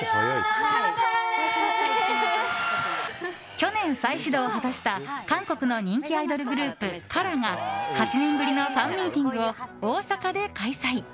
去年、再始動を果たした韓国の人気アイドルグループＫＡＲＡが８年ぶりのファンミーティングを大阪で開催。